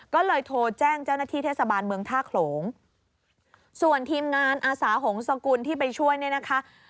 ก็เลยโทรแจ้งเจ้าหน้าที่เทศบาลเมืองท่าโขลงส่วนทีมงานอาสาหงษกุลที่ไปช่วยเนี่ยนะคะ